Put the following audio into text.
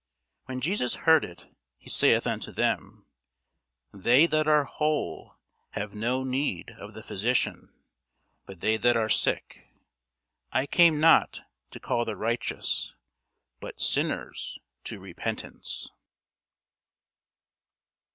When Jesus heard it, he saith unto them, They that are whole have no need of the physician, but they that are sick: I came not to call the righteous, but sinners to repentance.